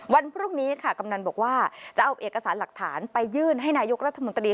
วันพรุ่งนี้ค่ะกำนันบอกว่าจะเอาเอกสารหลักฐานไปยื่นให้นายกรัฐมนตรี